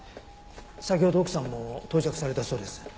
先ほど奥さんも到着されたそうです。